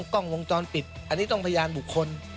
กล้องวงจรปิดอันนี้ต้องพยานบุคคล